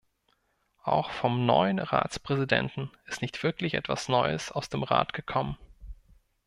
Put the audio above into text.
Auch vom neuen Ratspräsidenten ist nicht wirklich etwas Neues aus dem Rat gekommen.